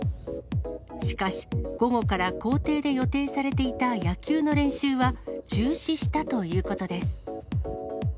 しかし、午後から校庭で予定されていた野球の練習は中止したということです。